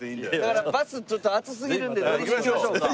だからバスちょっと暑すぎるんで乗りに行きましょうか。